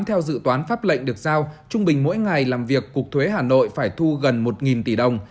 theo dự toán pháp lệnh được giao trung bình mỗi ngày làm việc cục thuế hà nội phải thu gần một tỷ đồng